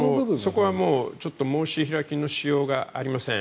そこは申し開きのしようがありません。